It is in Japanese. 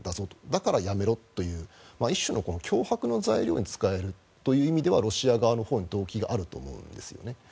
だから、やめろという一種の脅迫の材料に使えるという意味ではロシア側のほうに動機があると思うんですね。